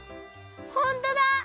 ほんとだ！